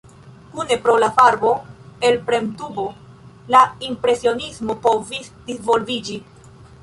Kune pro la farbo-elpremtubo la impresionismo povis disvolviĝi.